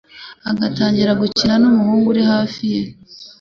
agatangira gukina n'umuhungu uri hafi ye